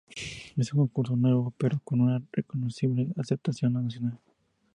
Es un concurso nuevo pero con una reconocible aceptación nacional.